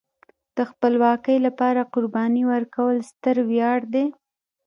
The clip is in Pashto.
د خپلواکۍ لپاره قرباني ورکول ستر ویاړ دی.